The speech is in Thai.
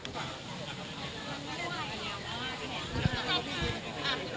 พระศักดิ์ไทย